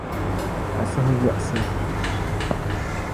A suhi yiɣisi